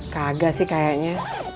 kagak sih kayaknya